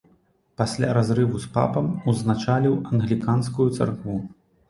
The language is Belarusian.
Пасля разрыву з папам узначаліў англіканскую царкву.